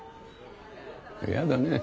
嫌だね。